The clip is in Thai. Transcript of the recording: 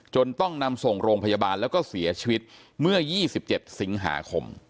ต้องนำส่งโรงพยาบาลแล้วก็เสียชีวิตเมื่อ๒๗สิงหาคม